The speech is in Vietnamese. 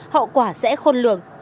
hậu quả sẽ khôn lường